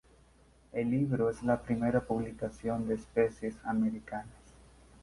El libro es la primera publicación de especies americanas.